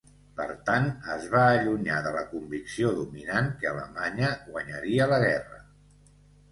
Per tant, es va allunyar de la convicció dominant que Alemanya guanyaria la guerra.